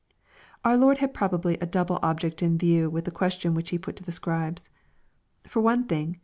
Our Lord had probably a double object in view in the question which he put to the Scribes. For one thing.